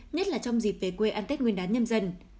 nhất là trong dịp về quê ăn tết nguyên đán nhâm dần